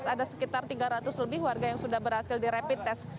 ada sekitar tiga ratus lebih warga yang sudah berhasil di rapid test